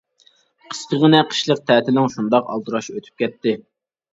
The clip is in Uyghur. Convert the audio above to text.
قىسقىغىنە قىشلىق تەتىلىڭ شۇنداق ئالدىراش ئۆتۈپ كەتتى.